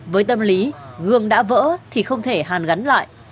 với tâm lý gương đã vỡ thì không thể hàn gắn lại